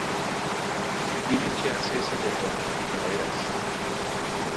¿ Dime, qué hace ese botón? Ya verás.